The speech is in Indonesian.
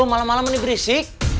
malam malam ini berisik